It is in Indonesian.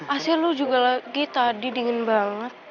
asyik lo juga lagi tadi dingin banget